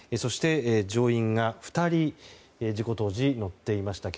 乗員が２人事故当時、乗っていました。